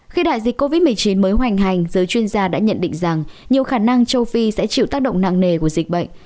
khi đại dịch covid một mươi chín mới hoành hành giới chuyên gia đã nhận định rằng nhiều khả năng châu phi sẽ chịu tác động nặng nề của dịch bệnh